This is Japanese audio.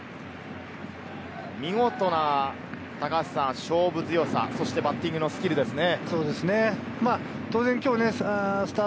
見事な勝負強さ、そしてバッティングのスキルですね。